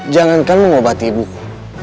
jangankan mengobati ibuku